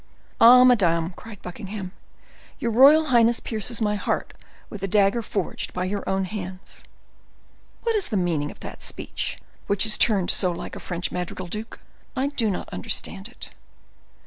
"Ah, madam," cried Buckingham, "your royal highness pierces my heart with a dagger forged by your own hands." "What is the meaning of that speech, which is turned so like a French madrigal, duke? I do not understand it."